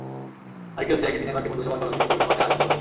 আরেকটি হচ্ছে একই দিনে কয়েকটি বন্ধুসভা স্বরচিত কবিতা পাঠের আয়োজন করবে।